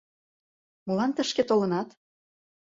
Молан тышке толынат?